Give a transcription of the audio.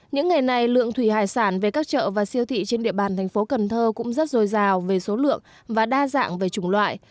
những ngày này lượng thủy hải sản về các chợ và siêu thị trên địa bàn thành phố cần thơ cũng rất dồi dào về số lượng và đa dạng về chủng loại